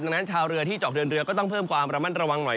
ดังนั้นชาวเรือที่เจาะเดินเรือก็ต้องเพิ่มความระมัดระวังหน่อย